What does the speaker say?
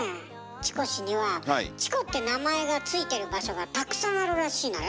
チコ市にはチコって名前が付いてる場所がたくさんあるらしいのよ。